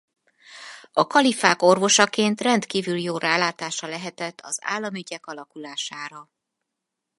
A kalifák orvosaként rendkívül jó rálátása lehetett az államügyek alakulására.